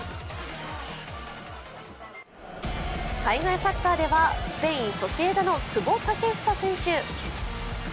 海外サッカーではスペイン・ソシエダの久保建英選手。